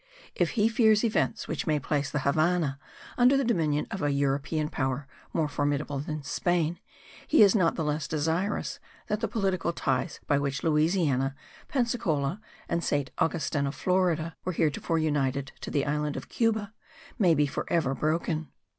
If he fears events which may place the Havannah under the dominion of a European power more formidable than Spain, he is not the less desirous that the political ties by which Louisiana, Pensacola and Saint Augustin of Florida were heretofore united to the island of Cuba may for ever be broken.